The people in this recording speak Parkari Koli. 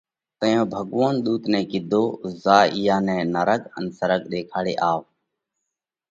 تئيون ڀڳوونَ ۮُوت نئہ ڪِيڌو: زا اِيئا نئہ نرڳ ان سرڳ ۮيکاڙي آوَ۔